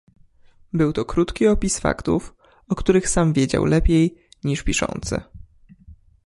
"Był to krótki opis faktów, o których sam wiedział lepiej, niż piszący."